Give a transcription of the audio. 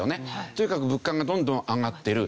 とにかく物価がどんどん上がってる。